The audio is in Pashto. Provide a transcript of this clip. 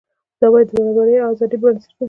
دا باید د برابرۍ او ازادۍ پر بنسټ وي.